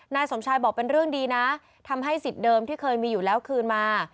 นายสมชายบอกเป็นเรื่องดีนะทำให้สิทธิ์เดิมที่เคยมีอยู่แล้วคืนมา